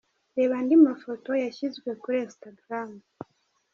Reba andi mafoto yashyizwe kuri Instagram:.